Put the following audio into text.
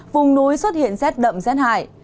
vùng núi xuất hiện rét đậm rét hại